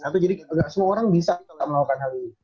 atau jadi nggak semua orang bisa melakukan hal ini